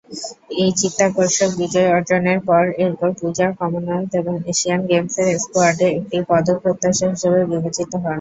এই চিত্তাকর্ষক বিজয় অর্জনের পর, এরপর, পূজা, কমনওয়েলথ এবং এশিয়ান গেমসের স্কোয়াডে একটি পদক প্রত্যাশা হিসেবে বিবেচিত হন।